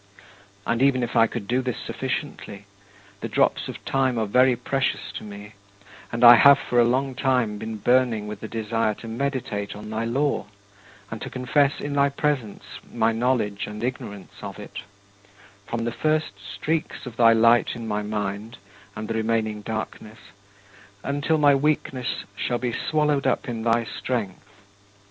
And even if I could do this sufficiently, the drops of time are very precious to me and I have for a long time been burning with the desire to meditate on thy law, and to confess in thy presence my knowledge and ignorance of it from the first streaks of thy light in my mind and the remaining darkness, until my weakness shall be swallowed up in thy strength.